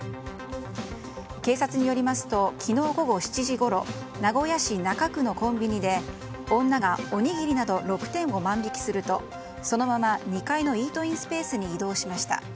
警察によりますと昨日午後７時ごろ名古屋市中区のコンビニで女が、おにぎりなど６点を万引きするとそのまま、２階のイートインスペースに移動しました。